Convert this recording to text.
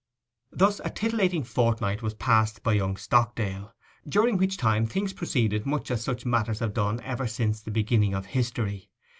Thus a titillating fortnight was passed by young Stockdale, during which time things proceeded much as such matters have done ever since the beginning of history.